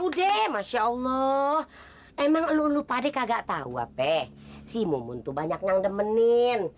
udah masya allah emang lu lupa deh kagak tahu apa sih mumun tuh banyak yang demenin